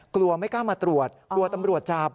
กลัวไม่กล้ามาตรวจกลัวตำรวจจับ